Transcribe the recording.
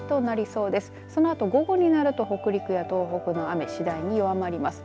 そのあと午後になると北陸や東北の雨、次第に弱まります。